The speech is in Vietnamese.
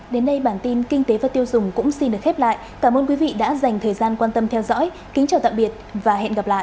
đến đây bản tin kinh tế và tiêu dùng cũng xin được khép lại cảm ơn quý vị đã dành thời gian quan tâm theo dõi kính chào tạm biệt và hẹn gặp lại